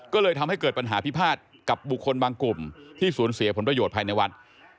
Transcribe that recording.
ก็เลยทำให้เกิดปัญหาพิพาทกับบุคคลบางกลุ่มที่สูญเสียผลประโยชน์ภายในวัด